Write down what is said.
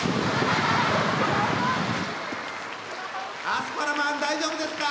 アスパラマン大丈夫ですか？